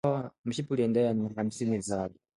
mshipa Waliendelea na hamsini zao